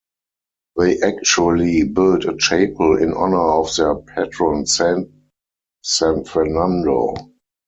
They actually built a chapel in honor of their patron saint San Fernando.